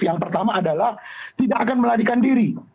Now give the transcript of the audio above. yang pertama adalah tidak akan melarikan diri